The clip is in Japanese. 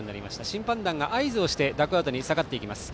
審判団が合図をしてダグアウトに下がっていきました。